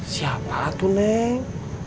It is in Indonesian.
siapa tuh neng